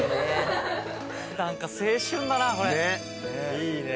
いいね。